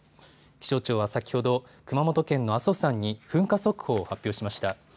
気象庁は先ほど熊本県の阿蘇山に噴火速報を発表しました。